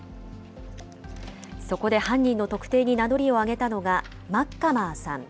そこで犯人の特定に名乗りを上げたのが、マッカマーさん。